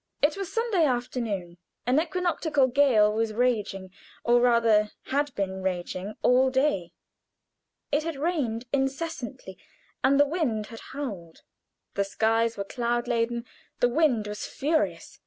It was Sunday afternoon. An equinoctial gale was raging, or rather had been raging all day. It had rained incessantly, and the wind had howled. The skies were cloud laden, the wind was furious.